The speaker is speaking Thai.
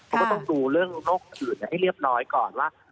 เขาก็ต้องดูเรื่องโรคอื่นให้เรียบร้อยก่อนว่า